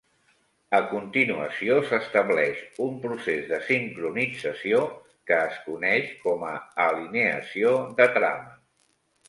A continuació s'estableix un procés de sincronització, que es coneix com a alineació de trama.